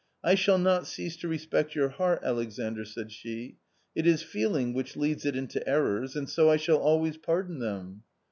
" I shall not cease to respect your heart, Alexandr," said she ;" it is feeling which leads it into errors, and so I shall always pardon them."